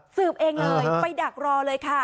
สืบเองเลยไปดักรอเลยค่ะ